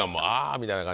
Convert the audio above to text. みたいな。